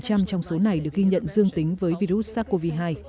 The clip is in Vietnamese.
các cơ sở này được ghi nhận dương tính với virus sars cov hai